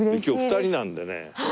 今日２人なんでね